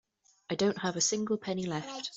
I don't have a single penny left.